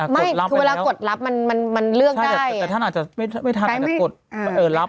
ไม่คือเวลากดรับมันเลือกได้แต่ท่านอาจจะไม่ทันกดรับ